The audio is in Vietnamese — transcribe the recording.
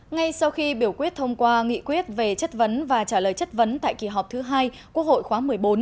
ngay sau khi biểu quyết thông qua nghị quyết về chất vấn và trả lời chất vấn tại kỳ họp thứ hai quốc hội khóa một mươi bốn